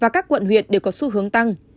và các quận huyện đều có xu hướng tăng